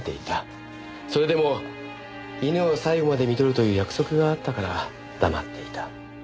それでも犬を最後まで看取るという約束があったから黙っていた。